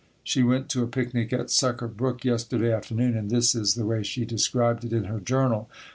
She went to a picnic at Sucker Brook yesterday afternoon, and this is the way she described it in her journal.